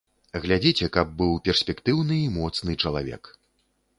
Глядзіце, каб быў перспектыўны і моцны чалавек.